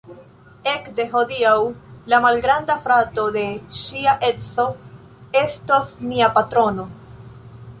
Ekde hodiaŭ la malgranda frato de ŝia edzo estos nia patrono